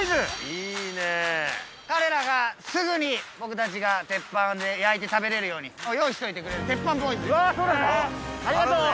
いいね彼らがすぐに僕たちが鉄板で焼いて食べれるように用意しといてくれる鉄板ボーイズですうわ